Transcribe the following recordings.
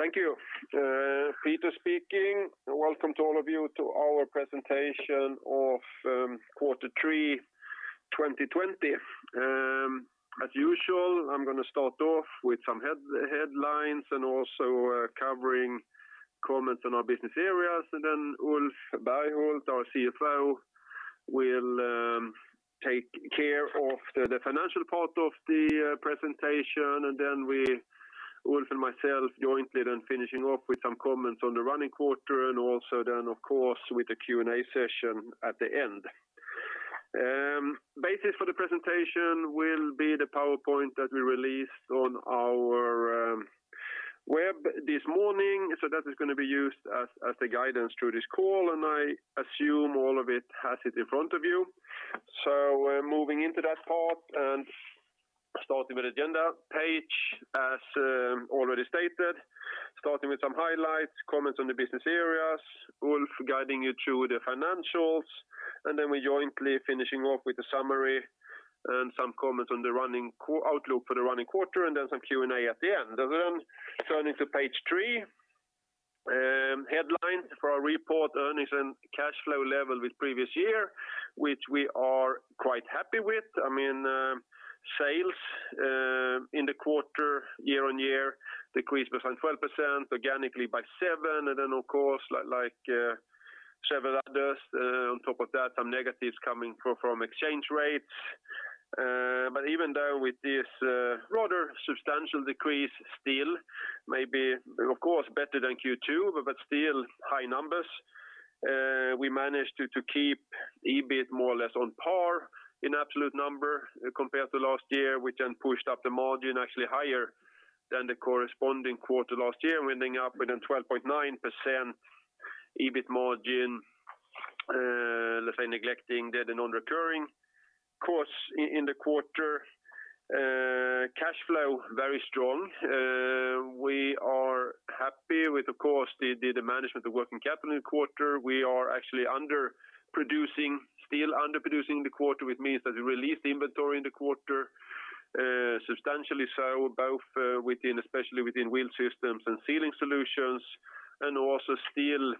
Thank you. Peter speaking. Welcome to all of you to our presentation of Q3 2020. As usual, I'm going to start off with some headlines and also covering comments on our business areas, and then Ulf Berghult, our CFO, will take care of the financial part of the presentation. Ulf and myself jointly then finishing off with some comments on the running quarter and also then of course, with the Q&A session at the end. Basis for the presentation will be the PowerPoint that we released on our web this morning. That is going to be used as the guidance through this call, and I assume all of it has it in front of you. We're moving into that part and starting with agenda page as already stated, starting with some highlights, comments on the business areas, Ulf guiding you through the financials, and then we jointly finishing off with a summary and some comments on the outlook for the running quarter, and then some Q&A at the end. Turning to page three, headlines for our report earnings and cash flow level with previous year, which we are quite happy with. Sales in the quarter, year-on-year, decreased by 12%, organically by 7%, and then, of course, like several others, on top of that, some negatives coming from exchange rates. Even though with this rather substantial decrease still, maybe, of course, better than Q2, but still high numbers, we managed to keep EBIT more or less on par in absolute number compared to last year, which then pushed up the margin actually higher than the corresponding quarter last year, ending up within 12.9% EBIT margin, let's say, neglecting the non-recurring costs in the quarter. Cash flow, very strong. We are happy with, of course, the management of working capital in the quarter. We are actually still under-producing the quarter, which means that we released inventory in the quarter, substantially so, especially within Wheel Systems and Sealing Solutions, and also still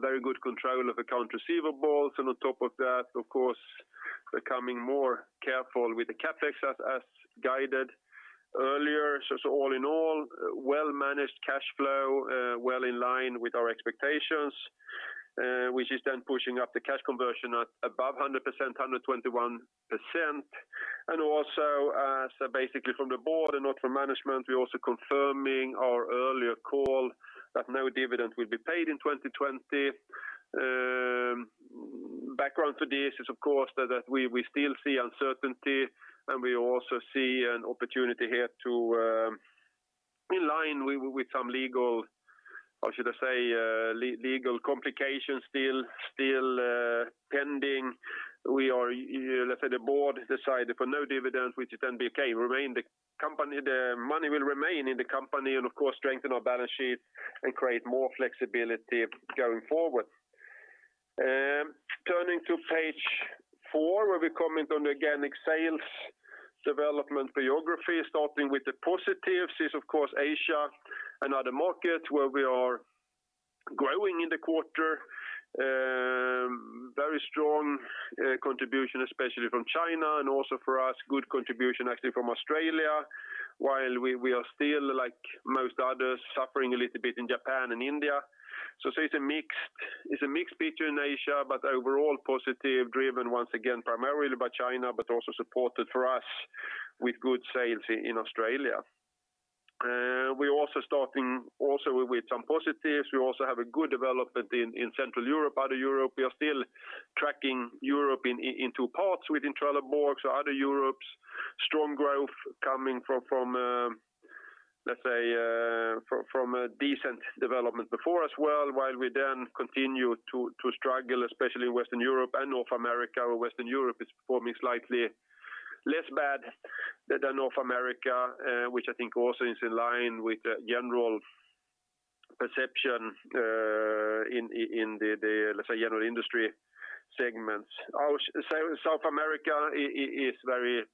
very good control of account receivables. On top of that, of course, becoming more careful with the CapEx as guided earlier. All in all, well-managed cash flow, well in line with our expectations, which is then pushing up the cash conversion at above 100%, 121%. Also as basically from the board and not from management, we're also confirming our earlier call that no dividend will be paid in 2020. Background to this is, of course, that we still see uncertainty, and we also see an opportunity here to in line with some legal, how should I say, legal complications still pending. Let's say the board decided for no dividends, which is then okay. The money will remain in the company and, of course, strengthen our balance sheet and create more flexibility going forward. Turning to page four, where we comment on the organic sales development by geography, starting with the positives is, of course, Asia and other markets where we are growing in the quarter. Very strong contribution, especially from China and also for us, good contribution actually from Australia, while we are still, like most others, suffering a little bit in Japan and India. It's a mixed picture in Asia, but overall positive, driven once again primarily by China, but also supported for us with good sales in Australia. We're also starting with some positives. We also have a good development in Central Europe, other Europe. We are still tracking Europe in two parts within Trelleborg. Other Europe's strong growth coming from, let's say, from a decent development before as well, while we then continue to struggle, especially Western Europe and North America, or Western Europe is performing slightly less bad than North America, which I think also is in line with the general perception in the, let's say, general industry segments. South America is very,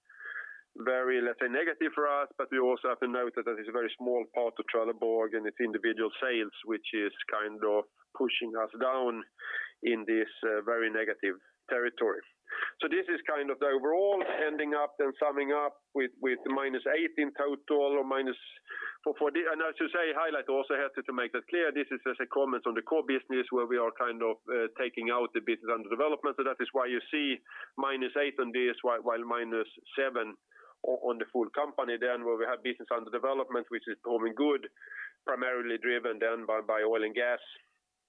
let's say, negative for us, but we also have to note that that is a very small part of Trelleborg and its individual sales, which is kind of pushing us down in this very negative territory. This is kind of the overall ending up and summing up with minus eight in total. I should say, highlight also here to make that clear, this is just a comment on the core business where we are taking out the business under development. That is why you see minus eight on this, while minus seven on the full company then where we have business under development, which is performing good, primarily driven then by oil and gas,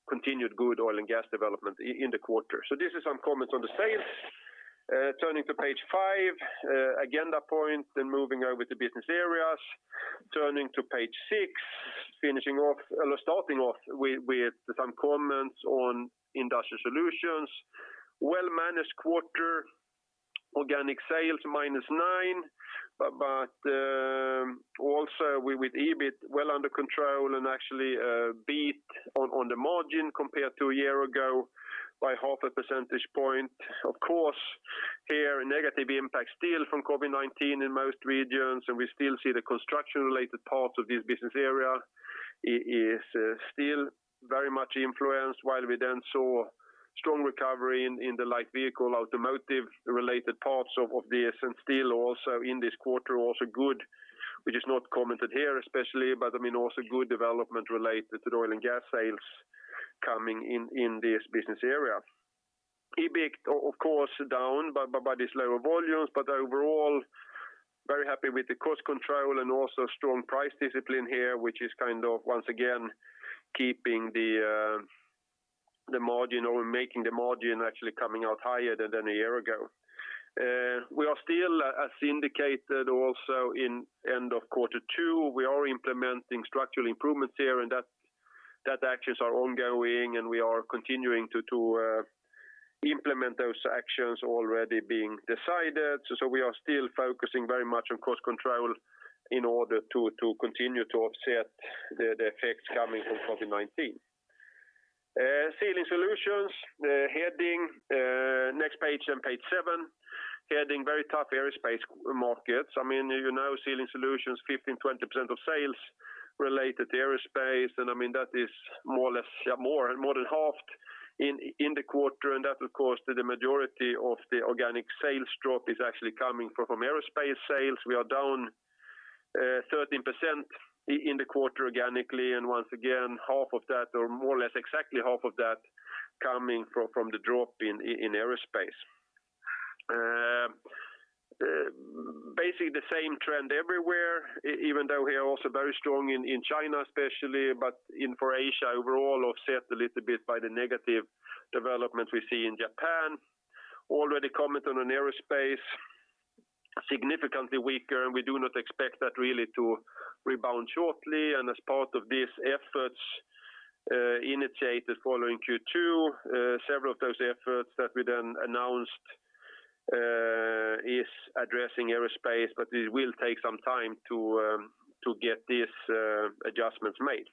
continued good oil and gas development in the quarter. This is some comments on the sales. Turning to page five, agenda point, then moving over to business areas. Turning to page six, starting off with some comments on Industrial Solutions. Well-managed quarter, organic sales minus 9, but also with EBIT well under control and actually a beat on the margin compared to a year ago by half a percentage point. Here, a negative impact still from COVID-19 in most regions, and we still see the construction-related parts of this business area is still very much influenced, while we then saw strong recovery in the light vehicle, automotive-related parts of this, and still also in this quarter, also good, which is not commented here especially, but also good development related to the oil and gas sales coming in this business area. EBIT, of course, down by these lower volumes, but overall, very happy with the cost control and also strong price discipline here, which is once again keeping the margin, or making the margin actually coming out higher than a year ago. We are still, as indicated also in end of quarter two, we are implementing structural improvements here, and that actions are ongoing, and we are continuing to implement those actions already being decided. We are still focusing very much on cost control in order to continue to offset the effects coming from COVID-19. Sealing Solutions, the heading, next page, on page seven, heading, Very Tough Aerospace Markets. You know Sealing Solutions, 15%, 20% of sales related to aerospace, and that is more than halved in the quarter, and that, of course, the majority of the organic sales drop is actually coming from aerospace sales. We are down 13% in the quarter organically. Once again, half of that, or more or less exactly half of that, coming from the drop in aerospace. Basically, the same trend everywhere, even though we are also very strong in China especially, but for Asia overall, offset a little bit by the negative development we see in Japan. Already commented on aerospace. Significantly weaker. We do not expect that really to rebound shortly. As part of these efforts, initiated following Q2, several of those efforts that we then announced is addressing aerospace. It will take some time to get these adjustments made.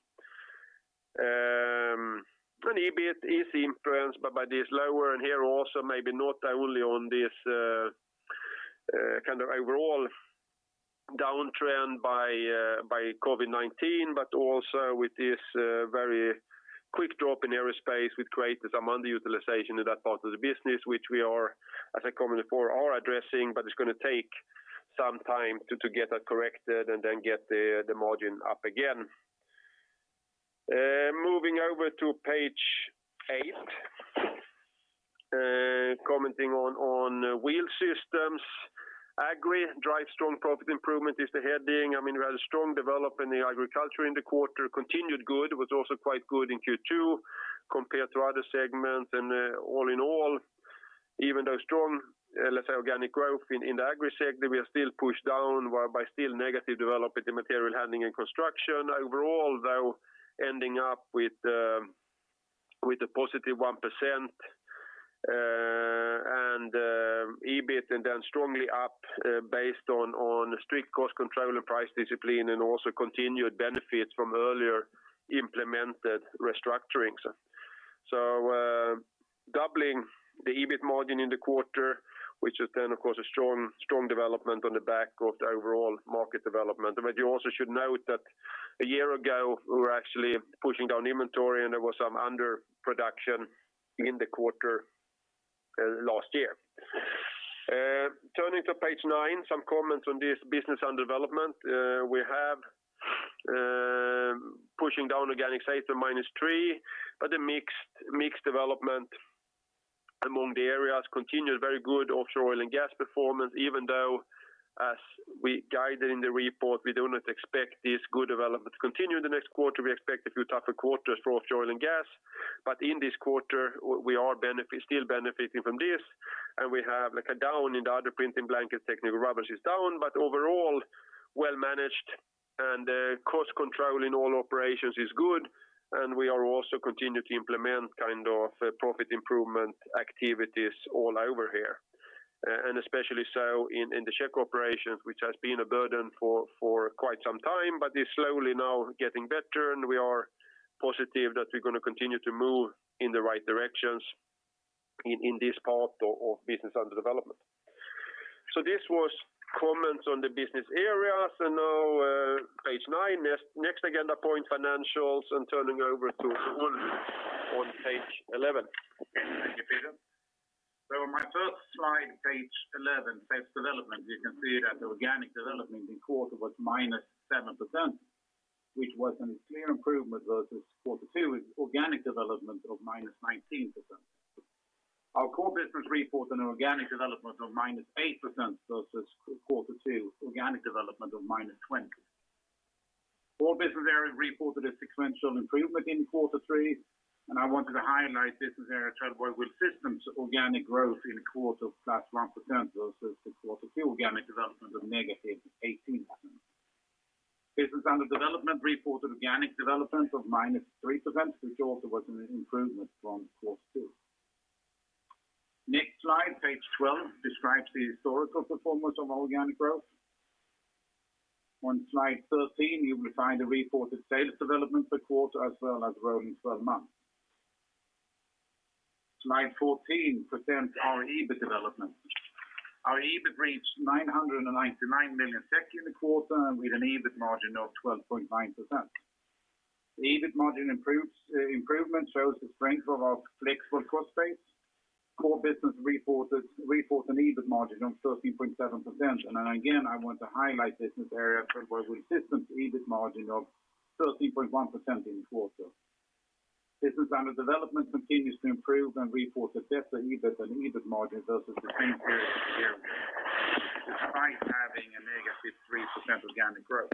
EBIT is influenced by this lower, and here also maybe not only on this overall downtrend by COVID-19, but also with this very quick drop in aerospace, which created some underutilization in that part of the business, which we are, as I commented before, are addressing, but it's going to take some time to get that corrected and then get the margin up again. Moving over to page eight. Commenting on Wheel Systems. Agri Drives Strong Profit Improvement is the heading. We had a strong development in the agriculture in the quarter. Continued good, was also quite good in Q2 compared to other segments, all in all, even though strong organic growth in the Agri sector, we are still pushed down by still negative development in material handling and construction. Overall, though, ending up with a positive 1%, and EBIT, and then strongly up based on strict cost control and price discipline, and also continued benefits from earlier implemented restructurings. Doubling the EBIT margin in the quarter, which is then, of course, a strong development on the back of the overall market development. You also should note that a year ago, we were actually pushing down inventory, and there was some underproduction in the quarter last year. Turning to page nine, some comments on this business and development. We have pushing down organic sales to -3%, but a mixed development among the areas. Continued very good offshore oil and gas performance, even though, as we guided in the report, we do not expect this good development to continue in the next quarter. We expect a few tougher quarters for offshore oil and gas. In this quarter, we are still benefiting from this, and we have a down in the other printing blanket technical rubbers is down, but overall, well-managed, and cost control in all operations is good. We are also continuing to implement profit improvement activities all over here, and especially so in the ship operations, which has been a burden for quite some time, but is slowly now getting better, and we are positive that we're going to continue to move in the right directions in this part of business under development. This was comments on the business areas, and now page nine, next agenda point, financials, and turning over to Ulf on page 11. Thank you, Peter. On my first slide, page 11, Sales Development, you can see that organic development in quarter was -7%, which was a clear improvement versus quarter two with organic development of -19%. Our core business reports an organic development of -8% versus quarter two organic development of -20%. All business areas reported a sequential improvement in quarter three, and I wanted to highlight business area Trelleborg Wheel Systems organic growth in quarter of +1% versus the quarter two organic development of -18%. Business under development reported organic development of -3%, which also was an improvement from quarter two. Next slide, page 12, describes the historical performance of organic growth. On slide 13, you will find the reported sales development for quarter as well as rolling 12 months. Slide 14 presents our EBIT development. Our EBIT reached 999 million SEK in the quarter, and with an EBIT margin of 12.9%. The EBIT margin improvement shows the strength of our flexible cost base. Core business reports an EBIT margin of 13.7%. Again, I want to highlight this area where we assist an EBIT margin of 13.1% in the quarter. Business under development continues to improve and report adjusted EBIT and EBIT margin versus the same period a year ago, despite having a negative 3% organic growth.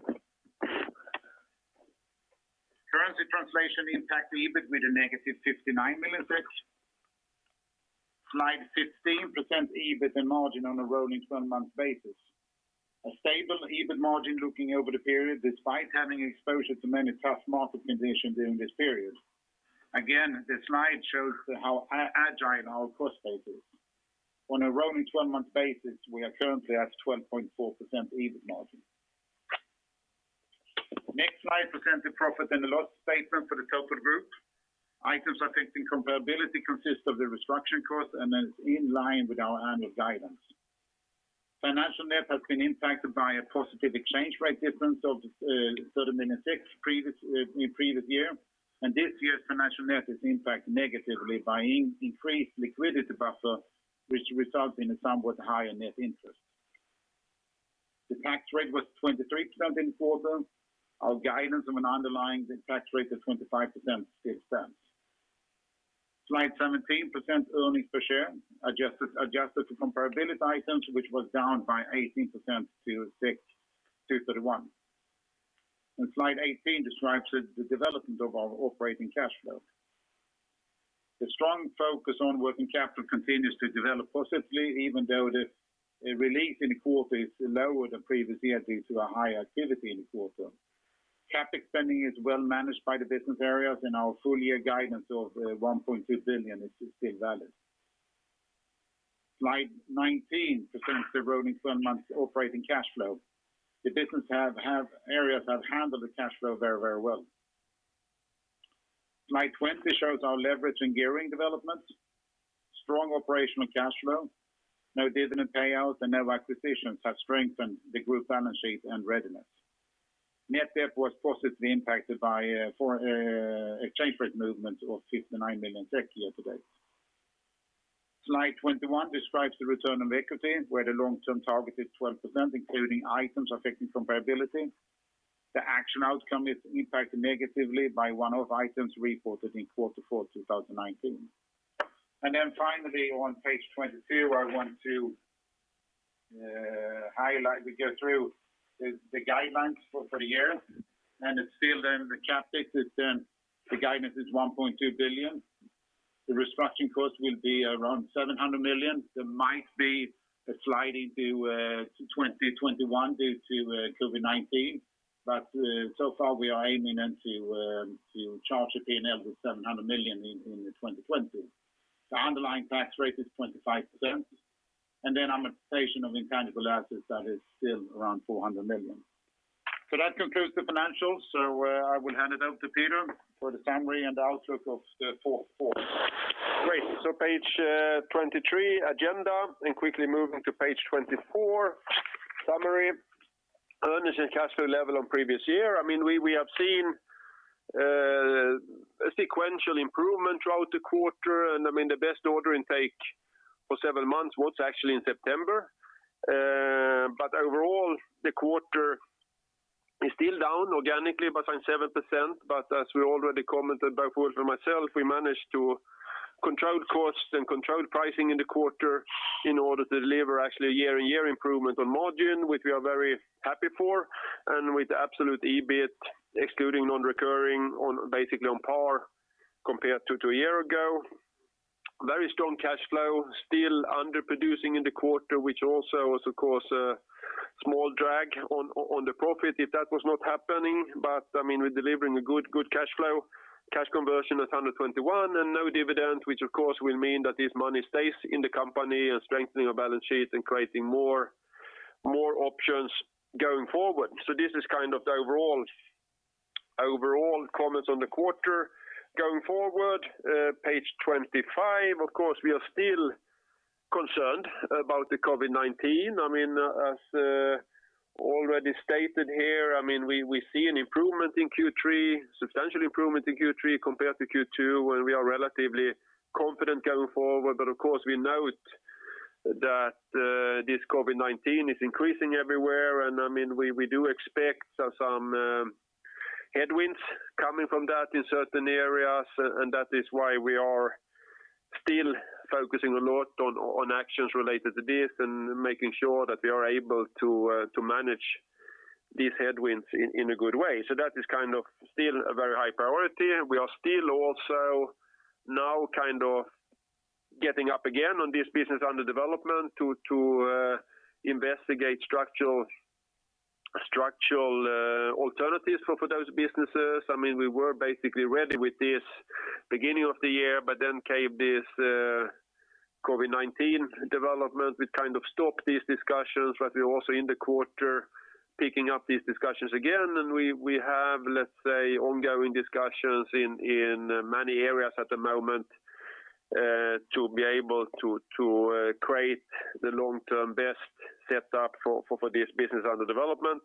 Currency translation impact EBIT with a negative 59 million. Slide 15 presents EBIT and margin on a rolling 12 months basis. A stable EBIT margin looking over the period, despite having exposure to many tough market conditions during this period. Again, this slide shows how agile our cost base is. On a rolling 12 months basis, we are currently at 12.4% EBIT margin. Next slide presents the profit and loss statement for the Trelleborg Group. Items affecting comparability consist of the restructuring cost and is in line with our annual guidance. Financial net has been impacted by a positive exchange rate difference of 30 million in previous year. This year's financial net is impacted negatively by increased liquidity buffer, which results in a somewhat higher net interest. The tax rate was 23% in the quarter. Our guidance of an underlying tax rate is 25% to the expense. Slide 17 presents earnings per share, adjusted to comparability items, which was down by 18% to 31. Slide 18 describes the development of our operating cash flow. The strong focus on working capital continues to develop positively, even though the relief in the quarter is lower than previous years due to a high activity in the quarter. CapEx spending is well managed by the business areas, and our full-year guidance of 1.2 billion is still valid. Slide 19 presents the rolling 12 months operating cash flow. The business have areas that handle the cash flow very, very well. Slide 20 shows our leverage and gearing development. Strong operational cash flow, no dividend payouts and no acquisitions have strengthened the group balance sheet and readiness. Net debt was positively impacted by a exchange rate movement of 59 million SEK year to date. Slide 21 describes the return on equity, where the long-term target is 12%, including items affecting comparability. The action outcome is impacted negatively by one-off items reported in quarter four 2019. Finally on page 22, where I want to go through the guidelines for the year, and it's still then the CapEx, the guidance is 1.2 billion. The restructuring cost will be around 700 million. There might be a slide into 2021 due to COVID-19. So far we are aiming then to charge the P&L with 700 million in 2020. The underlying tax rate is 25%. Then amortization of intangible assets that is still around 400 million. That concludes the financials. I will hand it out to Peter for the summary and the outlook of the fourth quarter. Great. Page 23, agenda, and quickly moving to page 24, summary. Earnings and cash flow level on previous year. We have seen a sequential improvement throughout the quarter, and the best order intake for several months was actually in September. Overall, the quarter is still down organically by 7%, but as we already commented, both Ulf and myself, we managed to control costs and control pricing in the quarter in order to deliver actually a year-on-year improvement on margin, which we are very happy for, and with the absolute EBIT excluding non-recurring basically on par compared to a year ago. Very strong cash flow, still underproducing in the quarter, which also was, of course, a small drag on the profit if that was not happening. We're delivering a good cash flow. Cash conversion at 121 and no dividend, which of course will mean that this money stays in the company and strengthening our balance sheet and creating more options going forward. This is kind of the overall comments on the quarter. Going forward, page 25. Of course, we are still concerned about the COVID-19. As already stated here, we see an improvement in Q3, substantial improvement in Q3 compared to Q2, and we are relatively confident going forward. Of course, we note that this COVID-19 is increasing everywhere, and we do expect some headwinds coming from that in certain areas, and that is why we are still focusing a lot on actions related to this and making sure that we are able to manage these headwinds in a good way. That is kind of still a very high priority. We are still also now kind of getting up again on this business under development to investigate structural alternatives for those businesses. We were basically ready with this beginning of the year, then came this COVID-19 development, which stopped these discussions. We're also in the quarter picking up these discussions again, and we have, let's say, ongoing discussions in many areas at the moment to be able to create the long-term best setup for this business under development.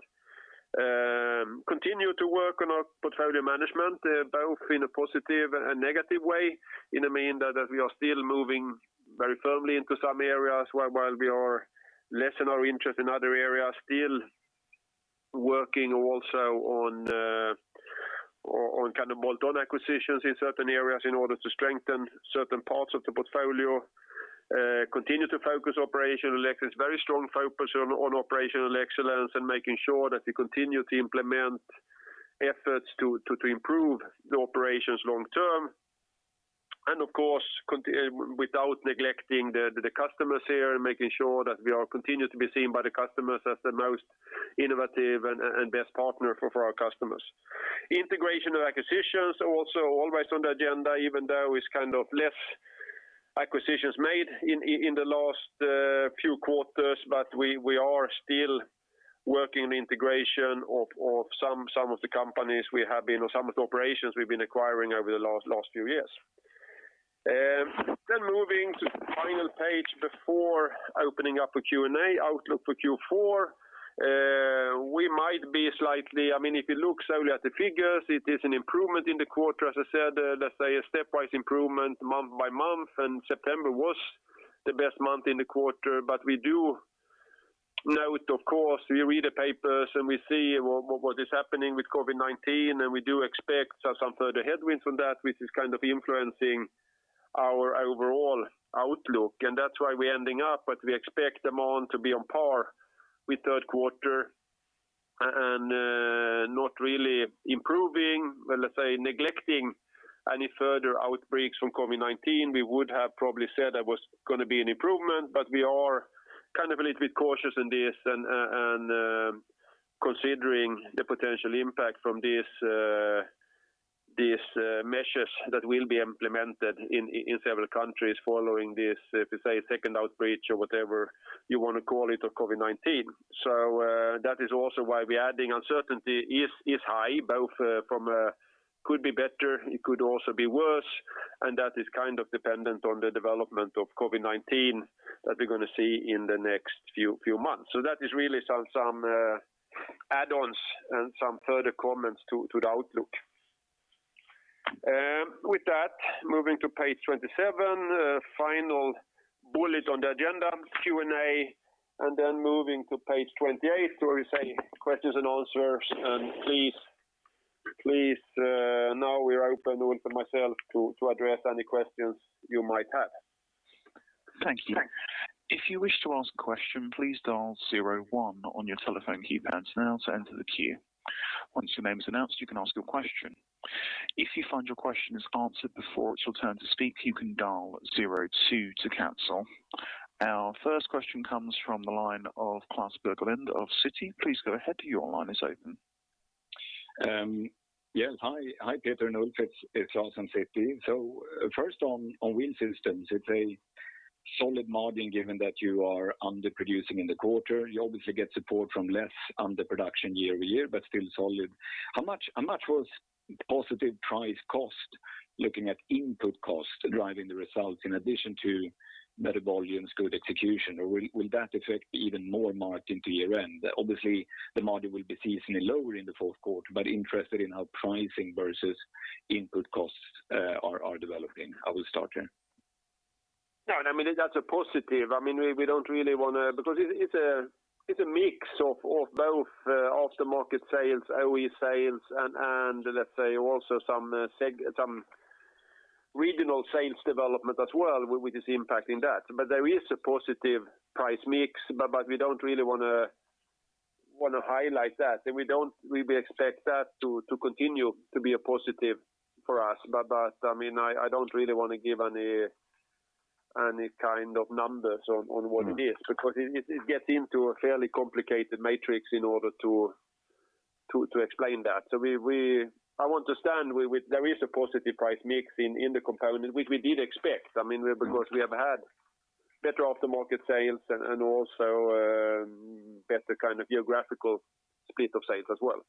Continue to work on our portfolio management, both in a positive and negative way, in a manner that we are still moving very firmly into some areas, while we are lessening our interest in other areas. Still working also on bolt-on acquisitions in certain areas in order to strengthen certain parts of the portfolio. Very strong focus on operational excellence and making sure that we continue to implement efforts to improve the operations long term. Of course, without neglecting the customers here and making sure that we are continued to be seen by the customers as the most innovative and best partner for our customers. Integration of acquisitions are also always on the agenda, even though it's less acquisitions made in the last few quarters. We are still working on the integration of some of the operations we've been acquiring over the last few years. Moving to the final page before opening up for Q&A, outlook for Q4. If you look solely at the figures, it is an improvement in the quarter, as I said, let's say a stepwise improvement month by month, and September was the best month in the quarter. We do note, of course, we read the papers, and we see what is happening with COVID-19, and we do expect some further headwinds from that, which is influencing our overall outlook. That's why we're ending up, but we expect the month to be on par with third quarter and not really improving. Let's say, neglecting any further outbreaks from COVID-19, we would have probably said there was going to be an improvement, but we are a little bit cautious in this, and considering the potential impact from these measures that will be implemented in several countries following this, let us say, second outbreak or whatever you want to call it of COVID-19. That is also why we are adding uncertainty is high, both from could be better, it could also be worse, and that is dependent on the development of COVID-19 that we're going to see in the next few months. That is really some add-ons and some further comments to the outlook. With that, moving to page 27, final bullet on the agenda, Q&A, moving to page 28 where we say questions and answers. Please, now we are open for myself to address any questions you might have. Thank you. Our first question comes from the line of Klas Bergelind of Citi. Please go ahead, your line is open. Yes. Hi, Peter and Ulf. It's Klas from Citi. First on Wheel Systems, it's a solid margin given that you are underproducing in the quarter. You obviously get support from less underproduction year-over-year, but still solid. How much was positive price cost looking at input costs driving the results in addition to better volumes, good execution? Will that affect even more margin to year-end? Obviously, the margin will be seasonally lower in the fourth quarter, but interested in how pricing versus input costs are developing. I will start here. That's a positive. It's a mix of both aftermarket sales, OE sales and let's say also some regional sales development as well with this impact in that. There is a positive price mix, but we don't really want to highlight that. We expect that to continue to be a positive for us. I don't really want to give any kind of numbers on what it is, because it gets into a fairly complicated matrix in order to explain that. I want to stand with there is a positive price mix in the component, which we did expect because we have had better aftermarket sales and also better geographical split of sales as well.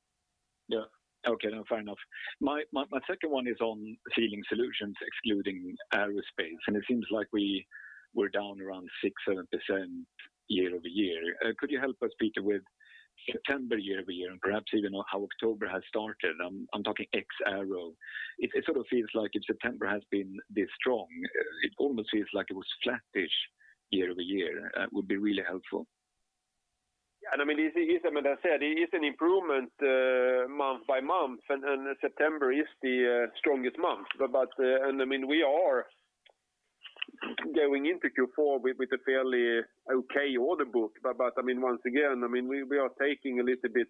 Yeah. Okay, fair enough. My second one is on Sealing Solutions, excluding Aerospace. It seems like we were down around 6%-7% year-over-year. Could you help us, Peter, with September year-over-year and perhaps even how October has started? I'm talking ex-aero. It sort of feels like if September has been this strong, it almost feels like it was flattish year-over-year. That would be really helpful. As I said, it is an improvement month-by-month, and September is the strongest month. We are going into Q4 with a fairly okay order book. Once again, we are taking a little bit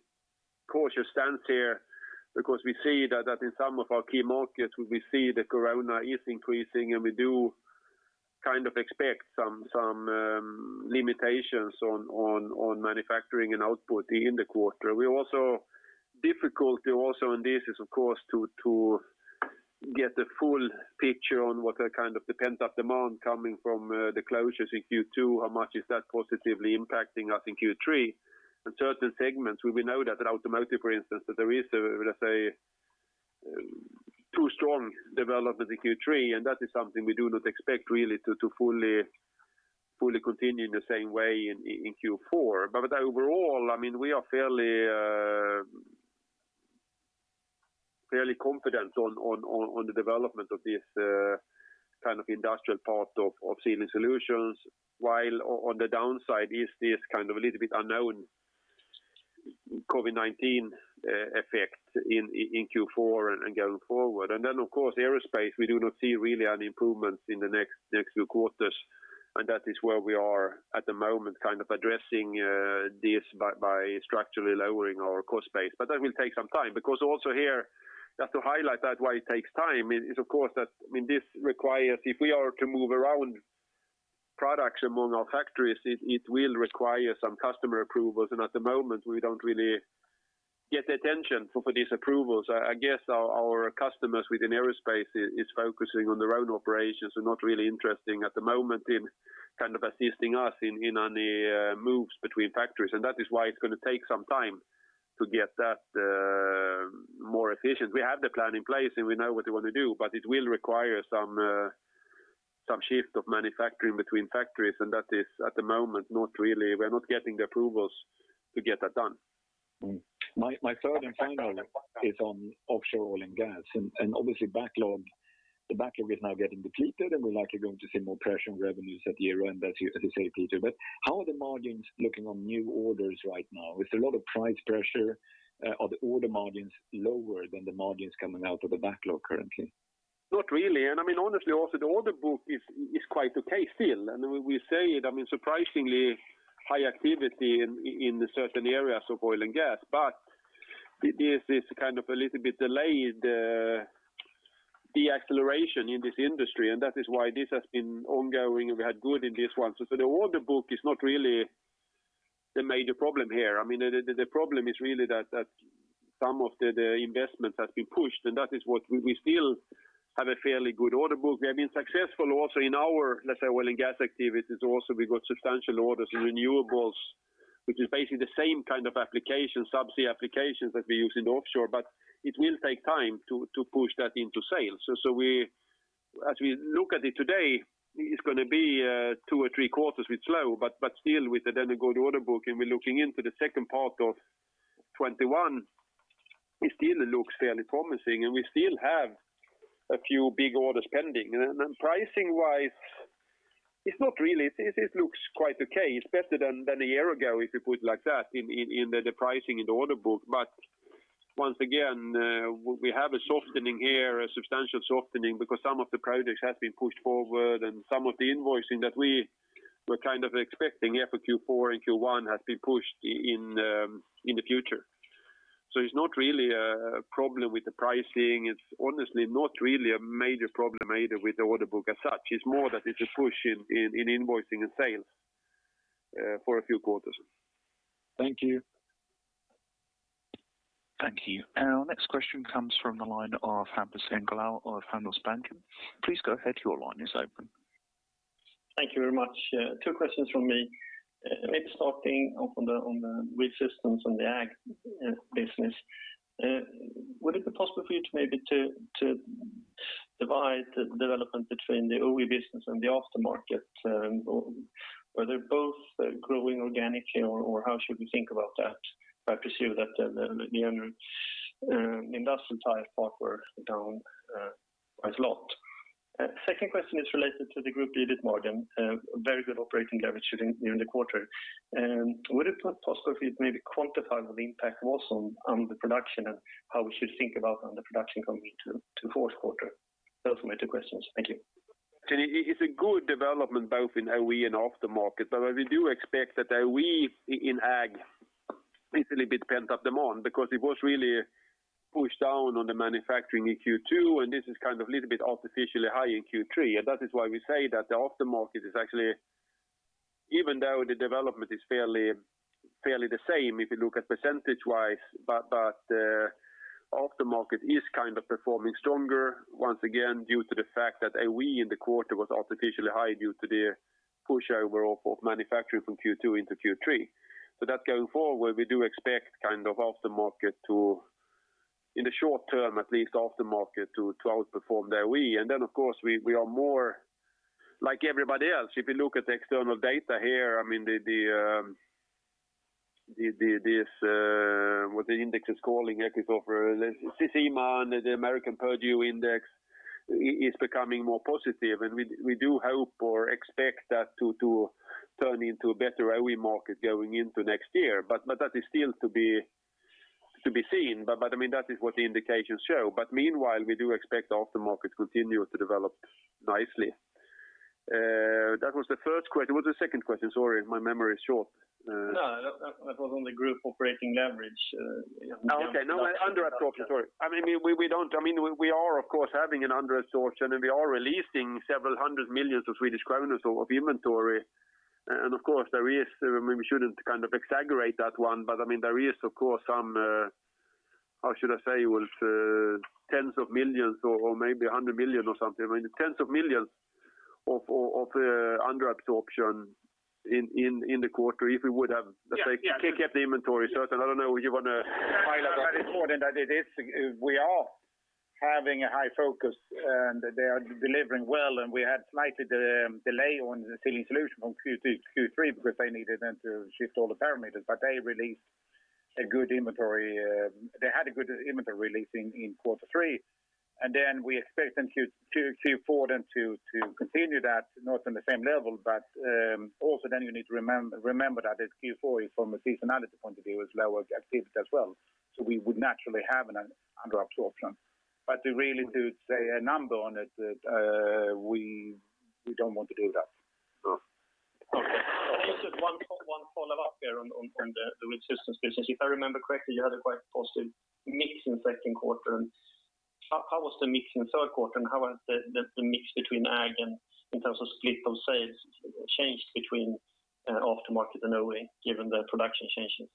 cautious stance here because we see that in some of our key markets, we see the corona is increasing, and we do expect some limitations on manufacturing and output in the quarter. Difficulty also in this is, of course, to get the full picture on what the kind of pent-up demand coming from the closures in Q2, how much is that positively impacting us in Q3? In certain segments, we know that in automotive, for instance, that there is, let's say, too strong development in Q3, and that is something we do not expect really to fully continue in the same way in Q4. Overall, we are fairly confident on the development of this industrial part of Sealing Solutions. While on the downside is this a little bit unknown COVID-19 effect in Q4 and going forward. Then, of course, aerospace, we do not see really any improvements in the next few quarters, and that is where we are at the moment, addressing this by structurally lowering our cost base. That will take some time, because also here, just to highlight that why it takes time is, of course, that this requires, if we are to move around products among our factories, it will require some customer approvals. At the moment, we don't really get the attention for these approvals. I guess our customers within aerospace is focusing on their own operations and not really interested at the moment in assisting us in any moves between factories. That is why it's going to take some time to get that more efficient. We have the plan in place, and we know what we want to do, but it will require some shift of manufacturing between factories, and that is at the moment, we're not getting the approvals to get that done. My third and final is on offshore oil and gas, and obviously backlog. The backlog is now getting depleted, and we're likely going to see more pressure on revenues at year-end, as you say, Peter. How are the margins looking on new orders right now? Is there a lot of price pressure? Are the order margins lower than the margins coming out of the backlog currently? Not really. Honestly, also, the order book is quite okay still. We say it, surprisingly high activity in the certain areas of oil and gas. This is a little bit delayed deacceleration in this industry, and that is why this has been ongoing, and we had good in this one. The order book is not really the major problem here. The problem is really that some of the investments have been pushed, and that is what we still have a fairly good order book. We have been successful also in our, let's say, oil and gas activities, also, we've got substantial orders in renewables, which is basically the same kind of application, subsea applications that we use in offshore, but it will take time to push that into sales. As we look at it today, it's going to be two or three quarters with slow, but still with the then good order book, and we're looking into the second part of 2021, it still looks fairly promising, and we still have a few big orders pending. Pricing wise, it looks quite okay. It's better than a year ago, if you put it like that, in the pricing in the order book. Once again, we have a softening here, a substantial softening, because some of the projects have been pushed forward and some of the invoicing that we were kind of expecting here for Q4 and Q1 has been pushed in the future. It's not really a problem with the pricing. It's honestly not really a major problem either with the order book as such. It's more that it's a push in invoicing and sales for a few quarters. Thank you. Thank you. Our next question comes from the line of Hampus Engellau of Handelsbanken. Thank you very much. Two questions from me. Maybe starting off on the Wheel Systems and the Agri business. Would it be possible for you to maybe divide the development between the OE and the aftermarket? Are they both growing organically, or how should we think about that? I presume that the industrial tire part were down quite a lot. Second question is related to the group EBIT margin. Very good operating leverage during the quarter. Would it be possible for you to maybe quantify what the impact was on the production and how we should think about the production coming into fourth quarter? Those are my two questions. Thank you. It's a good development both in OE and aftermarket, but we do expect that OE in Agri is a little bit pent-up demand because it was really pushed down on the manufacturing in Q2, and this is a little bit artificially high in Q3. That is why we say that the aftermarket is actually, even though the development is fairly the same if you look at percentage-wise, but aftermarket is performing stronger once again due to the fact that OE in the quarter was artificially high due to the push overall of manufacturing from Q2 into Q3. That going forward, we do expect in the short term at least, aftermarket to outperform the OE. Then, of course, we are more like everybody else. If you look at the external data here, what the index is calling, ECCO for CEMA, the American Purdue index is becoming more positive, and we do hope or expect that to turn into a better OE market going into next year. That is still to be seen. That is what the indications show. Meanwhile, we do expect aftermarket to continue to develop nicely. That was the first question. What was the second question? Sorry, my memory is short. No, that was on the group operating leverage. Okay, now under absorption. Sorry. We are, of course, having an under absorption, and we are releasing SEK several hundred million of inventory. Of course, we shouldn't exaggerate that one. There is, of course, some tens of millions or maybe 100 million or something. Tens of millions of under absorption in the quarter if we would have. Yeah Let's say, kept the inventory. I don't know if you want to highlight that. It's important that we are having a high focus. They are delivering well. We had a slight delay on the Sealing Solutions from Q2 to Q3 because they needed then to shift all the parameters. They released a good inventory. They had a good inventory release in Q3. We expect in Q4 then to continue that, not on the same level. You need to remember that Q4, from a seasonality point of view, is lower activity as well. We would naturally have an under absorption. To really do, say, a number on it, we don't want to do that. Sure. Okay. Just one follow-up there on the Wheel Systems business. If I remember correctly, you had a quite positive mix in the second quarter. How was the mix in the third quarter, and how has the mix between Agri in terms of split of sales changed between aftermarket and OE, given the production changes?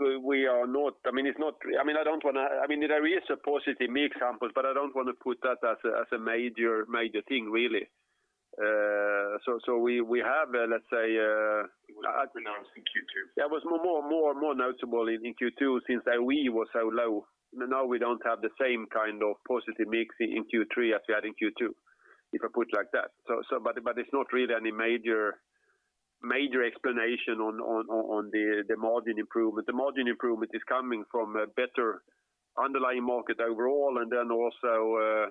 There is a positive mix sample, but I don't want to put that as a major thing, really. It was more pronounced in Q2. Yeah, it was more noticeable in Q2 since OE was so low. We don't have the same kind of positive mix in Q3 as we had in Q2, if I put it like that. It's not really any major explanation on the margin improvement. The margin improvement is coming from a better underlying market overall, also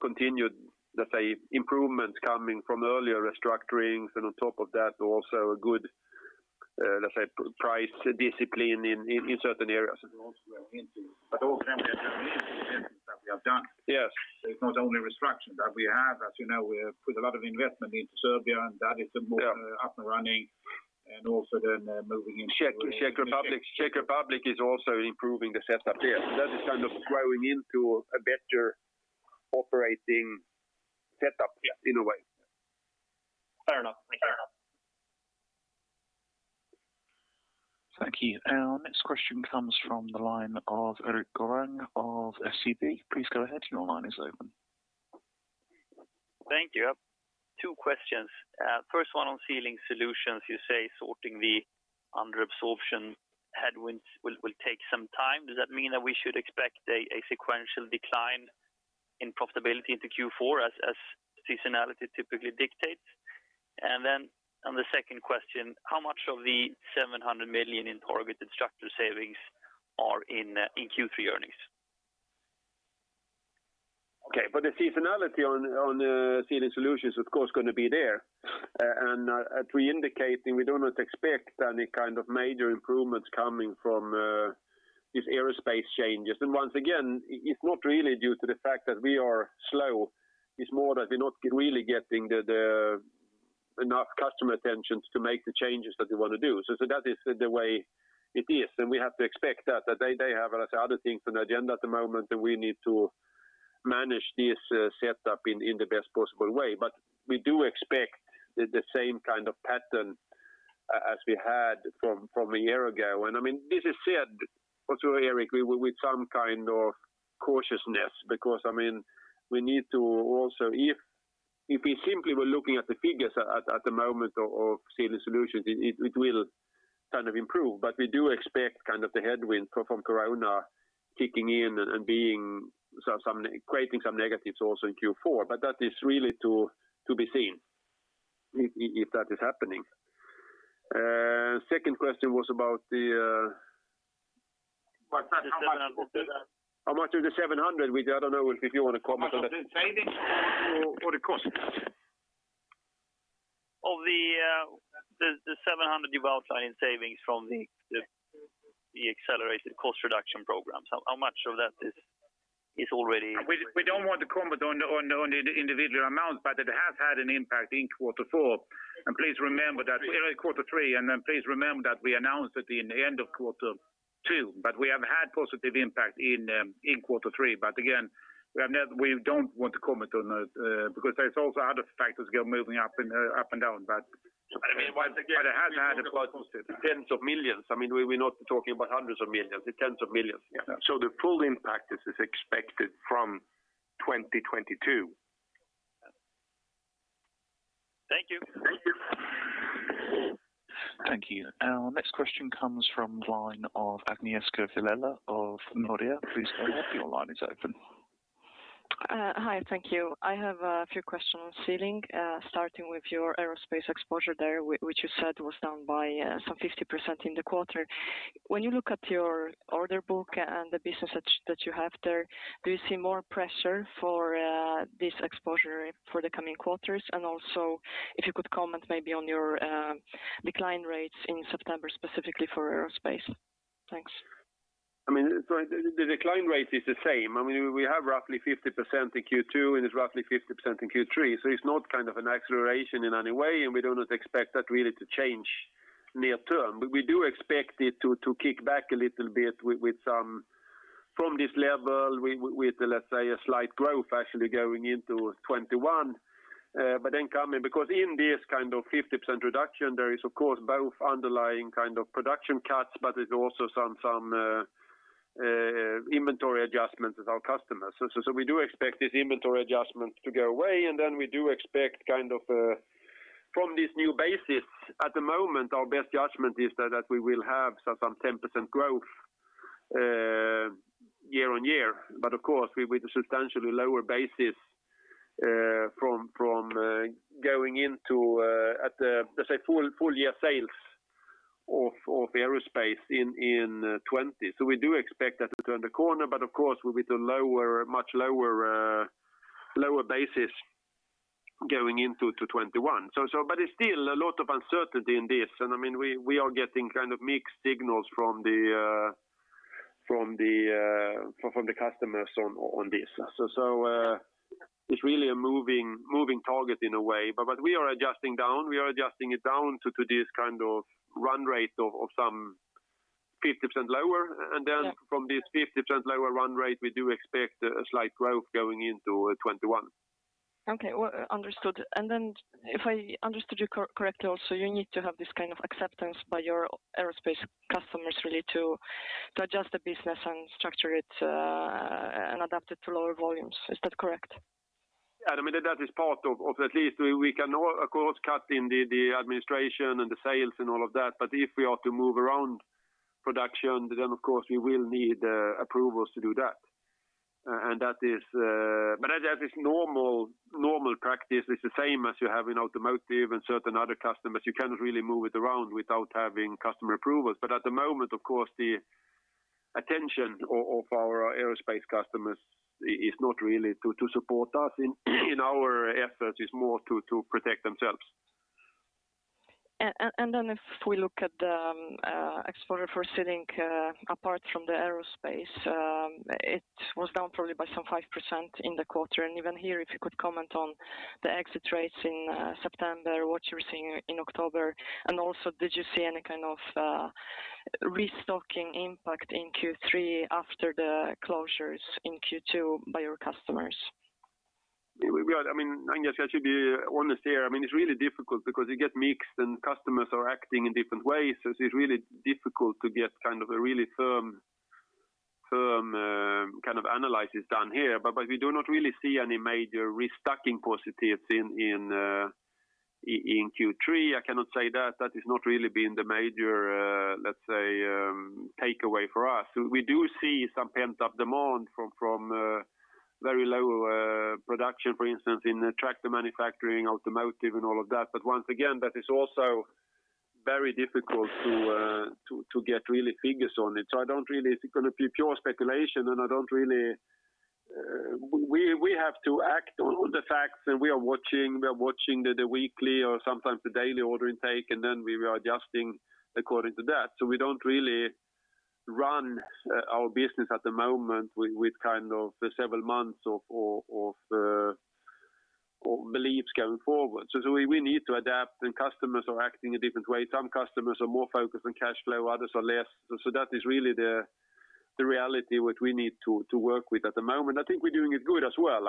continued improvements coming from earlier restructurings. On top of that, also a good price discipline in certain areas. Also then we are into the improvements that we have done. Yes. It's not only restructuring that we have. As you know, we have put a lot of investment into Serbia, and that is more up and running. Czech Republic is also improving the setup there. That is growing into a better operating setup in a way. Fair enough. Thank you. Our next question comes from the line of Erik Golrang of SEB. Thank you. Two questions. First one on Sealing Solutions. You say sorting the under absorption headwinds will take some time. Does that mean that we should expect a sequential decline in profitability into Q4 as seasonality typically dictates? On the second question, how much of the 700 million in targeted structural savings are in Q3 earnings? The seasonality on the Sealing Solutions, of course, is going to be there. As we indicate, we do not expect any kind of major improvements coming from these aerospace changes. Once again, it's not really due to the fact that we are slow. It's more that we're not really getting enough customer attention to make the changes that they want to do. That is the way it is, and we have to expect that. They have lots of other things on the agenda at the moment, and we need to manage this setup in the best possible way. We do expect the same kind of pattern as we had from a year ago. This is said, Erik, with some kind of cautiousness, because we need to also. If we simply were looking at the figures at the moment of Sealing Solutions, it will improve. We do expect the headwind from COVID-19 kicking in and creating some negatives also in Q4. That is really to be seen, if that is happening. Second question was about the- The 700. How much of the SEK 700, Ulf, I don't know if you want to comment on that. On the savings or the cost cuts? Of the 700 development in savings from the accelerated cost reduction programs. We don't want to comment on the individual amounts, but it has had an impact in quarter four. Quarter three. Please remember that we announced it in the end of quarter two, but we have had a positive impact in quarter three. Again, we don't want to comment on that because there's also other factors moving up and down. It has had a positive, Once again, it's SEK tens of millions. We're not talking about SEK hundreds of millions. It's SEK tens of millions. The full impact is expected from 2022. Thank you. Thank you. Thank you. Our next question comes from the line of Agnieszka Vilela of Nordea. Please go ahead. Your line is open. Hi, thank you. I have a few questions on sealing, starting with your aerospace exposure there, which you said was down by some 50% in the quarter. When you look at your order book and the business that you have there, do you see more pressure for this exposure for the coming quarters? Also, if you could comment maybe on your decline rates in September, specifically for aerospace. Thanks. The decline rate is the same. We have roughly 50% in Q2, and it's roughly 50% in Q3. It's not an acceleration in any way, and we do not expect that really to change near term. We do expect it to kick back a little bit From this level, with let's say a slight growth actually going into 2021. Coming, because in this 50% reduction, there is of course both underlying production cuts, but there's also some inventory adjustments with our customers. We do expect this inventory adjustment to go away, and then we do expect from this new basis, at the moment, our best judgment is that we will have some 10% growth year-on-year. Of course, with a substantially lower basis from going into, let's say full year sales of aerospace in 2020. We do expect that to turn the corner, but of course, with a much lower basis going into 2021. There's still a lot of uncertainty in this, and we are getting mixed signals from the customers on this. It's really a moving target in a way. We are adjusting down, we are adjusting it down to this run rate of some 50% lower. Yeah. From this 50% lower run rate, we do expect a slight growth going into 2021. Okay. Well, understood. If I understood you correctly also, you need to have this kind of acceptance by your aerospace customers really to adjust the business and structure it and adapt it to lower volumes. Is that correct? That is part of at least we can of course cut in the administration and the sales and all of that, but if we are to move around production, then of course we will need approvals to do that. That is normal practice. It's the same as you have in automotive and certain other customers. You cannot really move it around without having customer approvals. At the moment, of course, the attention of our aerospace customers is not really to support us in our efforts, it's more to protect themselves. If we look at the ex-aero for Sealing apart from the aerospace, it was down probably by some 5% in the quarter. Even here, if you could comment on the exit rates in September, what you're seeing in October, and also did you see any kind of restocking impact in Q3 after the closures in Q2 by your customers? I guess I should be honest here. It's really difficult because you get mixed and customers are acting in different ways, so it's really difficult to get a really firm analysis done here. We do not really see any major restocking positives in Q3. I cannot say that. That has not really been the major, let's say, takeaway for us. We do see some pent-up demand from very low production, for instance, in the tractor manufacturing, automotive and all of that. Once again, that is also very difficult to get really figures on it. It's going to be pure speculation, and we have to act on the facts, and we are watching the weekly or sometimes the daily order intake, and then we are adjusting according to that. We don't really run our business at the moment with the several months of beliefs going forward. We need to adapt, and customers are acting in different ways. Some customers are more focused on cash flow, others are less. That is really the reality which we need to work with at the moment. I think we're doing it good as well.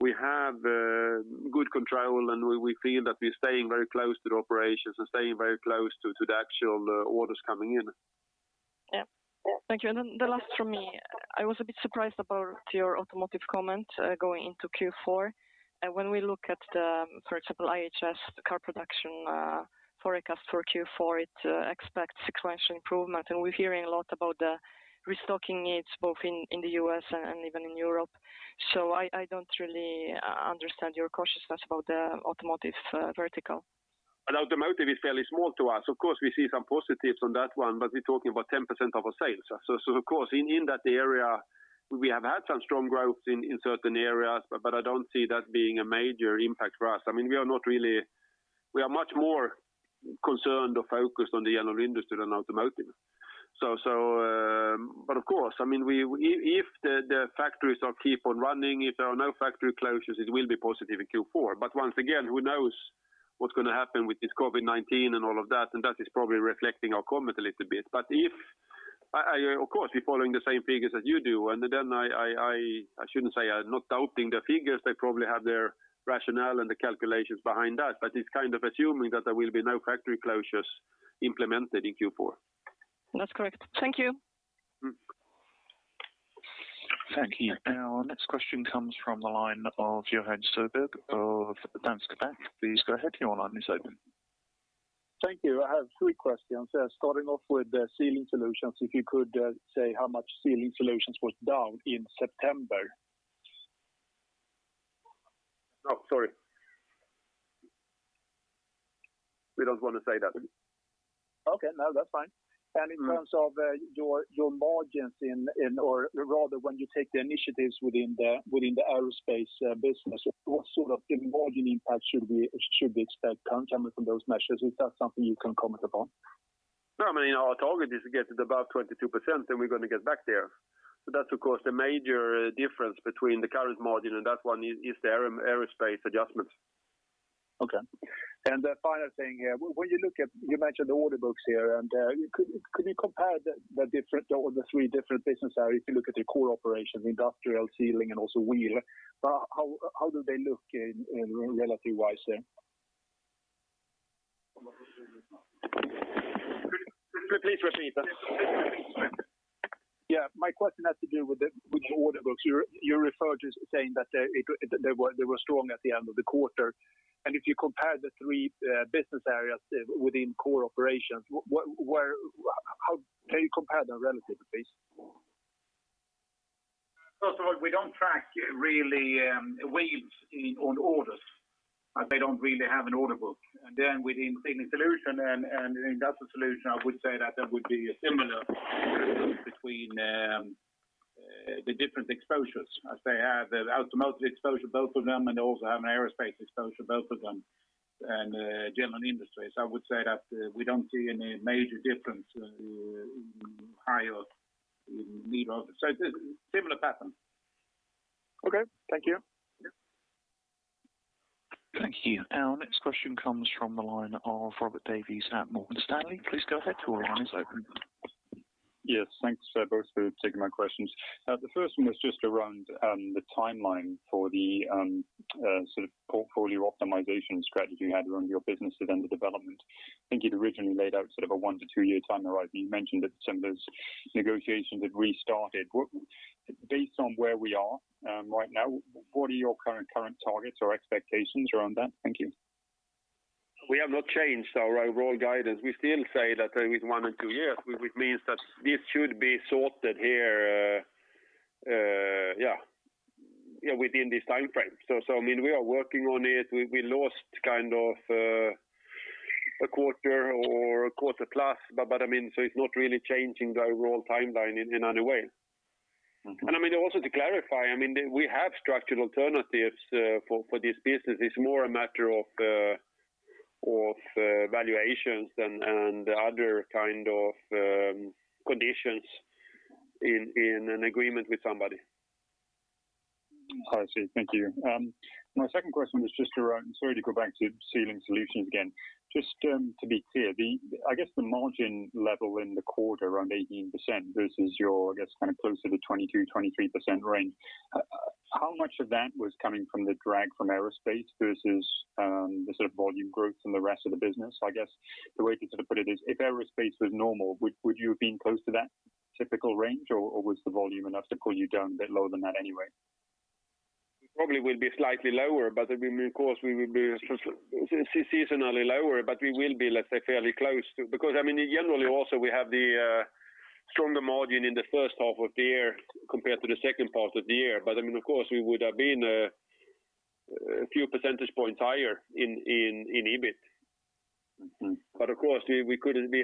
We have good control, and we feel that we're staying very close to the operations and staying very close to the actual orders coming in. Yeah. Thank you. The last from me, I was a bit surprised about your automotive comment going into Q4. When we look at, for example, IHS car production forecast for Q4, it expects sequential improvement, and we're hearing a lot about the restocking needs both in the U.S. and even in Europe. I don't really understand your cautiousness about the automotive vertical. Automotive is fairly small to us. We see some positives on that one, we're talking about 10% of our sales. In that area, we have had some strong growth in certain areas, I don't see that being a major impact for us. We are much more concerned or focused on the general industry than automotive. If the factories are keep on running, if there are no factory closures, it will be positive in Q4. Once again, who knows what's going to happen with this COVID-19 and all of that is probably reflecting our comment a little bit. We're following the same figures as you do, I shouldn't say I'm not doubting the figures. They probably have their rationale and the calculations behind that, but it's kind of assuming that there will be no factory closures implemented in Q4. That's correct. Thank you. Thank you. Our next question comes from the line of Johan Soderberg of Danske Bank. Please go ahead, your line is open. Thank you. I have three questions. Starting off with the Sealing Solutions, if you could say how much Sealing Solutions was down in September? No, sorry. We don't want to say that. Okay. No, that's fine. In terms of your margins or rather when you take the initiatives within the aerospace business, what sort of margin impact should we expect coming from those measures? Is that something you can comment upon? Our target is to get it above 22%, and we're going to get back there. That's of course the major difference between the current margin and that one is the aerospace adjustments. Okay. The final thing, you mentioned the order books here, and could you compare the three different business areas if you look at the core operations, Industrial, Sealing, and also Wheel? How do they look relative wise there? Please repeat that. Yeah. My question has to do with the order books. You're referred to saying that they were strong at the end of the quarter, and if you compare the three business areas within core operations, how do you compare them relatively? First of all, we don't track really Wheel Systems on orders, as they don't really have an order book. Within Sealing Solutions and Industrial Solutions, I would say that there would be a similar difference between the different exposures, as they have the automotive exposure, both of them, and they also have an aerospace exposure, both of them, and general industry. I would say that we don't see any major difference, high or mid. Similar pattern. Okay. Thank you. Yeah. Thank you. Our next question comes from the line of Robert Davies at Morgan Stanley. Please go ahead. Your line is open. Yes. Thanks both for taking my questions. The first one was just around the timeline for the portfolio optimization strategy you had around your businesses under development. I think you'd originally laid out a one to two-year timeline. You mentioned that some of those negotiations had restarted. Based on where we are right now, what are your current targets or expectations around that? Thank you. We have not changed our overall guidance. We still say that within one or two years, which means that this should be sorted here within this time frame. We are working on it. We lost a quarter or a quarter plus, so it's not really changing the overall timeline in any way. Also to clarify, we have structured alternatives for this business. It's more a matter of valuations and other kind of conditions in an agreement with somebody. I see. Thank you. My second question was just around, sorry to go back to Sealing Solutions again. Just to be clear, I guess the margin level in the quarter around 18% versus your, I guess, closer to 22, 23% range. How much of that was coming from the drag from aerospace versus the volume growth from the rest of the business? I guess the way to put it is, if aerospace was normal, would you have been close to that typical range, or was the volume enough to pull you down a bit lower than that anyway? It probably will be slightly lower, of course, we will be seasonally lower, we will be, let's say, fairly close to. Generally also we have the stronger margin in the first half of the year compared to the second part of the year. Of course, we would have been a few percentage points higher in EBIT. Of course, we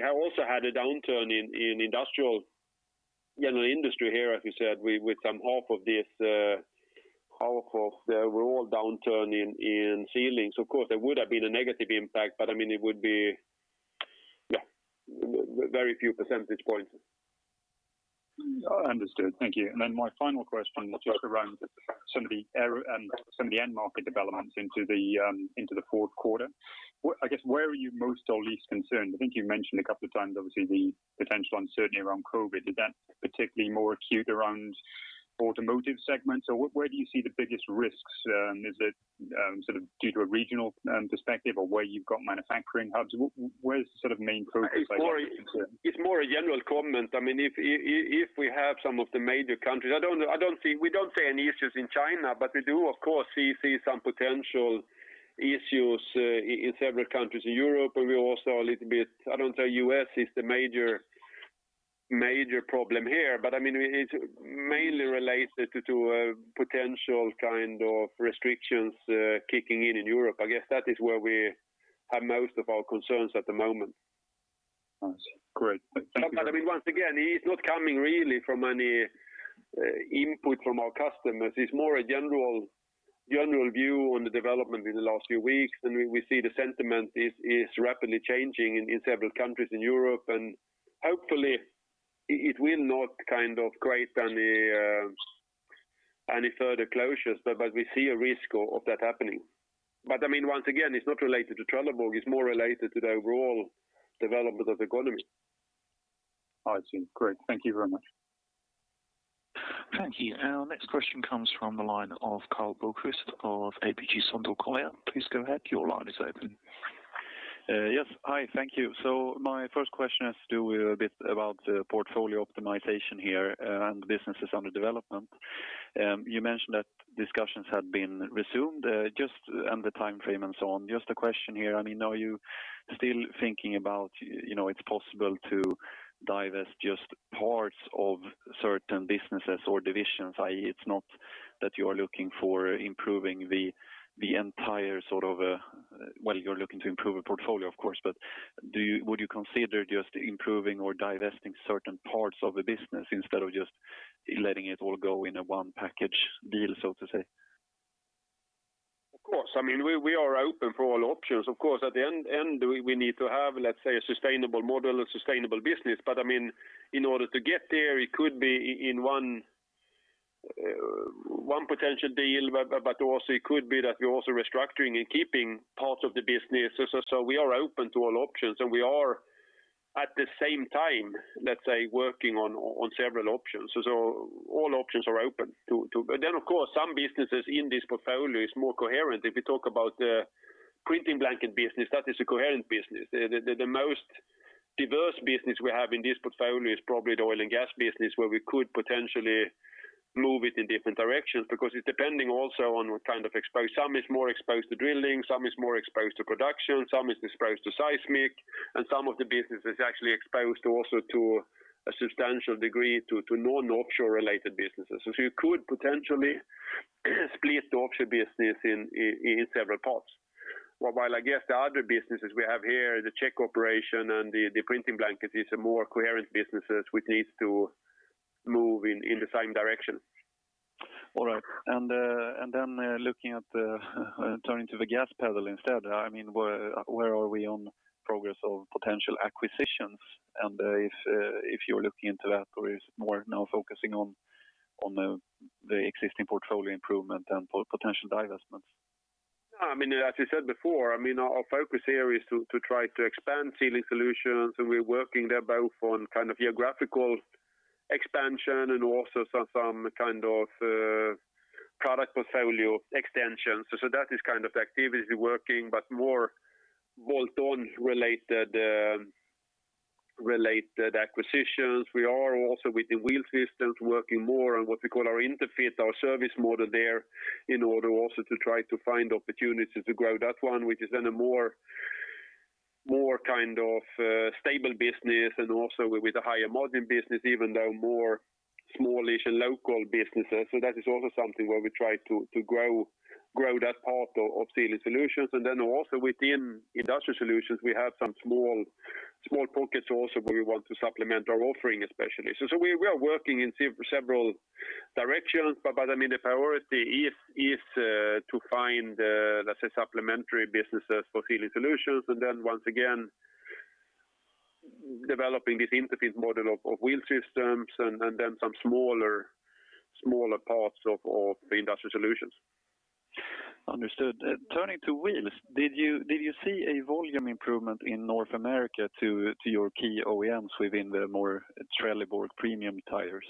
also had a downturn in general industry here, as you said, with some half of this overall downturn in Sealings. Of course, there would have been a negative impact, but it would be very few percentage points. Understood. Thank you. My final question was just around some of the end market developments into the fourth quarter. I guess where are you most or least concerned? I think you mentioned a couple of times, obviously, the potential uncertainty around COVID. Is that particularly more acute around automotive segments, or where do you see the biggest risks? Is it due to a regional perspective or where you've got manufacturing hubs? Where's the main focus, I guess? It's more a general comment. If we have some of the major countries, we don't see any issues in China, but we do, of course, see some potential issues in several countries in Europe, and we also a little bit, I don't say U.S. is the major problem here, but it mainly relates to potential kind of restrictions kicking in in Europe. I guess that is where we have most of our concerns at the moment. I see. Great. Thank you. Once again, it's not coming really from any input from our customers. It's more a general view on the development in the last few weeks, and we see the sentiment is rapidly changing in several countries in Europe, and hopefully it will not create any further closures, but we see a risk of that happening. Once again, it's not related to Trelleborg, it's more related to the overall development of the economy. I see. Great. Thank you very much. Thank you. Our next question comes from the line of Karl Bokvist of ABG Sundal Collier. Please go ahead. Your line is open. Yes. Hi. Thank you. My first question has to do a bit about the portfolio optimization here and the businesses under development. You mentioned that discussions had been resumed, and the time frame and so on. Just a question here. Are you still thinking about it's possible to divest just parts of certain businesses or divisions, i.e., it's not that you are looking for improving the entire Well, you're looking to improve a portfolio, of course, but would you consider just improving or divesting certain parts of the business instead of just letting it all go in a one package deal, so to say? Of course. We are open for all options. Of course, at the end, we need to have, let's say, a sustainable model, a sustainable business. In order to get there, it could be in one potential deal, but also it could be that we're also restructuring and keeping parts of the business. We are open to all options, and we are, at the same time, let's say, working on several options. All options are open. Of course, some businesses in this portfolio is more coherent. If we talk about the printing blanket business, that is a coherent business. The most diverse business we have in this portfolio is probably the oil and gas business, where we could potentially move it in different directions, because it's depending also on what kind of exposure. Some is more exposed to drilling, some is more exposed to production, some is exposed to seismic, and some of the business is actually exposed also to a substantial degree to non-offshore related businesses. You could potentially split the offshore business in several parts. While I guess the other businesses we have here, the Czech operation and the printing blanket, is a more coherent businesses which needs to move in the same direction. All right. Turning to the gas pedal instead, where are we on progress of potential acquisitions? If you're looking into that or is more now focusing on the existing portfolio improvement and potential divestments? As I said before, our focus here is to try to expand Sealing Solutions, and we're working there both on geographical expansion and also some kind of product portfolio extension. That is activity working, but more bolt-on related acquisitions. We are also with the Wheel Systems working more on what we call our interfit, our service model there, in order also to try to find opportunities to grow that one, which is in a more stable business and also with a higher margin business, even though more smallish and local businesses. That is also something where we try to grow that part of Sealing Solutions. Also within Industrial Solutions, we have some small pockets also where we want to supplement our offering, especially. We are working in several directions, but the priority is to find, let's say, supplementary businesses for Sealing Solutions. Once again, developing this interfit model of Wheel Systems and then some smaller parts of the Industrial Solutions. Understood. Turning to wheels, did you see a volume improvement in North America to your key OEMs within the more Trelleborg premium tires?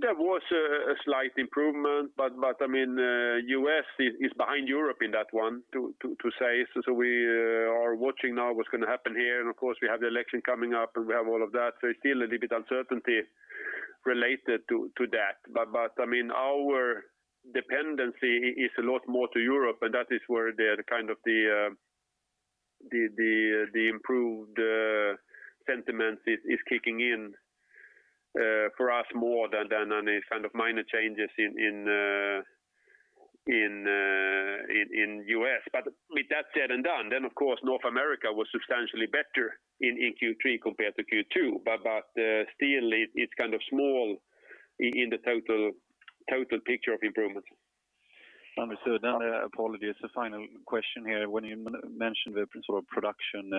There was a slight improvement, but U.S. is behind Europe in that one, to say. We are watching now what's going to happen here. Of course, we have the election coming up and we have all of that. It's still a little bit uncertainty related to that. Our dependency is a lot more to Europe, and that is where the improved sentiment is kicking in for us more than any kind of minor changes in U.S. With that said and done, of course, North America was substantially better in Q3 compared to Q2. Still, it's small in the total picture of improvement. Understood. Apologies, a final question here. When you mentioned the principle of production,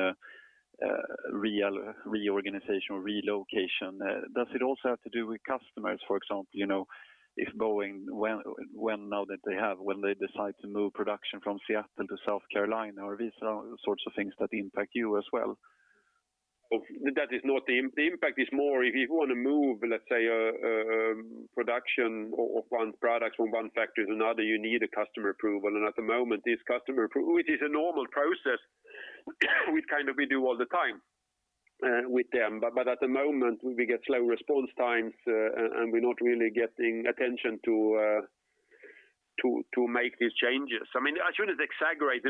reorganization or relocation, does it also have to do with customers, for example, if Boeing, now that they have, when they decide to move production from Seattle to South Carolina, are these sorts of things that impact you as well? The impact is more if you want to move, let's say, production of one product from one factory to another, you need a customer approval. At the moment, this customer approval, it is a normal process, we do all the time with them. At the moment, we get slow response times, and we're not really getting attention to make these changes. I shouldn't exaggerate. You shouldn't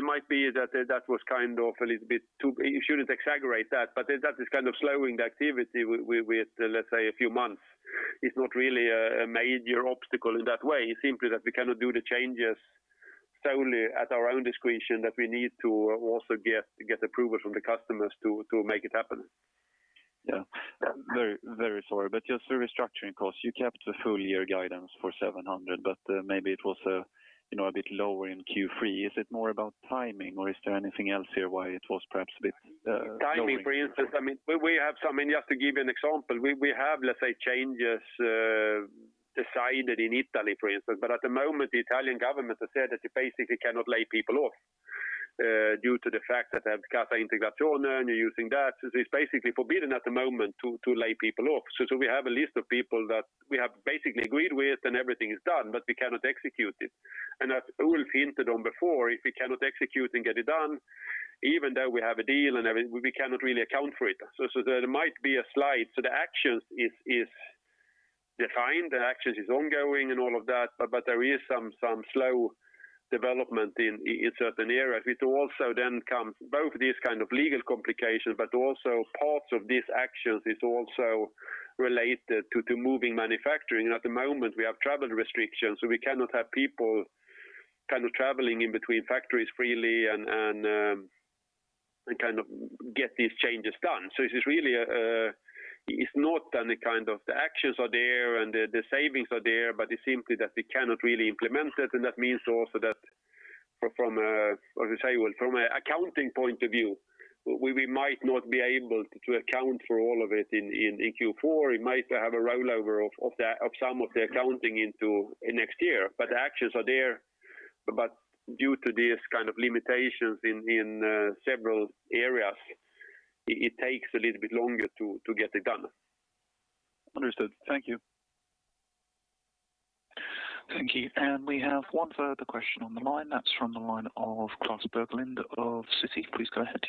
exaggerate that is kind of slowing the activity with, let's say, a few months. It's not really a major obstacle in that way. It's simply that we cannot do the changes solely at our own discretion, that we need to also get approval from the customers to make it happen. Yeah. Very sorry. Just the restructuring costs, you kept the full-year guidance for 700, but maybe it was a bit lower in Q3. Is it more about timing, or is there anything else here why it was perhaps a bit lower? Timing, for instance. Just to give you an example, we have, let's say, changes decided in Italy, for instance. At the moment, the Italian government has said that you basically cannot lay people off due to the fact that they have Cassa Integrazione, and you're using that. It's basically forbidden at the moment to lay people off. We have a list of people that we have basically agreed with and everything is done, but we cannot execute it. As Ulf hinted on before, if we cannot execute and get it done, even though we have a deal and everything, we cannot really account for it. There might be a slide. The action is defined, the action is ongoing and all of that, but there is some slow development in certain areas. Both these legal complications, but also parts of these actions is also related to moving manufacturing. At the moment, we have travel restrictions, so we cannot have people traveling in between factories freely and get these changes done. The actions are there and the savings are there, but it's simply that we cannot really implement it, and that means also that. From an accounting point of view, we might not be able to account for all of it in Q4. It might have a rollover of some of the accounting into next year, but the actions are there. Due to these kind of limitations in several areas, it takes a little bit longer to get it done. Understood. Thank you. Thank you. We have one further question on the line. That's from the line of Klas Bergelind of Citi. Please go ahead.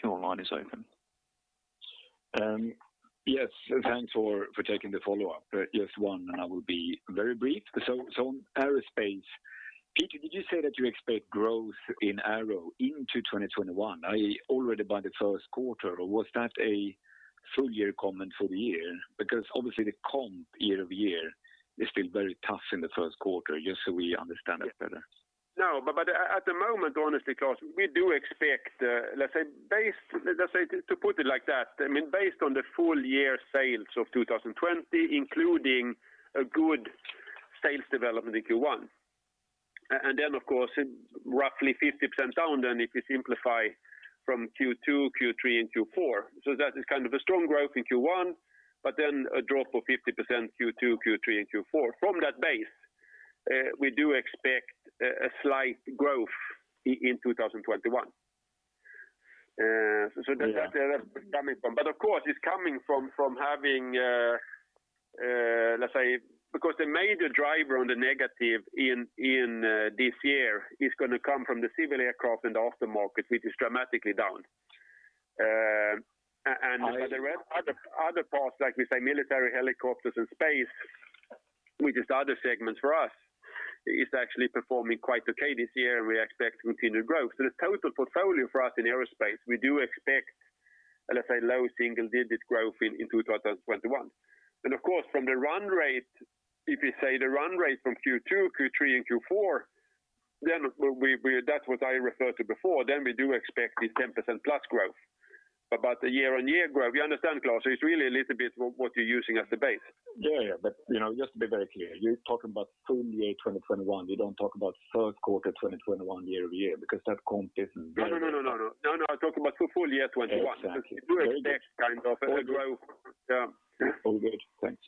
Yes. Thanks for taking the follow-up. Just one. I will be very brief. On aerospace, Peter, did you say that you expect growth in aero into 2021, i.e., already by the first quarter? Was that a full-year comment for the year? Obviously the comp year-over-year is still very tough in the first quarter, just so we understand that better. No, but at the moment, honestly, Klas, we do expect, let's say, to put it like that, based on the full-year sales of 2020, including a good sales development in Q1. Of course, roughly 50% down then if we simplify from Q2, Q3, and Q4. That is kind of a strong growth in Q1, but then a drop of 50% Q2, Q3, and Q4. From that base, we do expect a slight growth in 2021. Yeah. That's where that's coming from. Of course, it's coming from having, let's say, because the major driver on the negative in this year is going to come from the civil aircraft and the aftermarket, which is dramatically down. I see. The other parts, like we say, military helicopters and space, which is the other segment for us, is actually performing quite okay this year, and we expect continued growth. The total portfolio for us in aerospace, we do expect, let's say, low single-digit growth in 2021. Of course, from the run rate, if you say the run rate from Q2, Q3, and Q4, then that's what I referred to before, then we do expect the 10%+ growth. The year-on-year growth, you understand, Klas, it's really a little bit what you're using as the base. Yeah. Just to be very clear, you're talking about full year 2021. You don't talk about third quarter 2021 year-over-year, because that comp isn't. No, I'm talking about full year 2021. Exactly. Very good. We do expect kind of a growth. Yeah. All good. Thanks.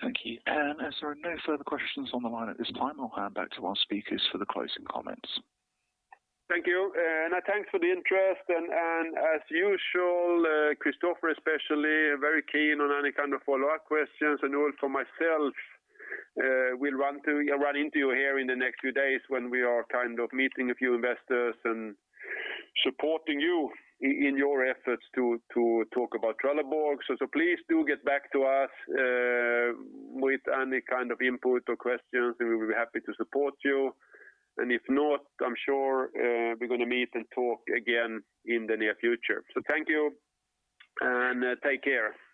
Thank you. As there are no further questions on the line at this time, I'll hand back to our speakers for the closing comments. Thank you. Thanks for the interest. As usual, Christofer especially, very keen on any kind of follow-up questions. Also myself, we'll run into you here in the next few days when we are meeting a few investors and supporting you in your efforts to talk about Trelleborg. Please do get back to us with any kind of input or questions, and we'll be happy to support you. If not, I'm sure we're going to meet and talk again in the near future. Thank you, and take care.